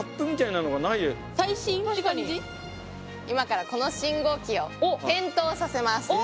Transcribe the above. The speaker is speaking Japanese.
今からこの信号機を点灯させます。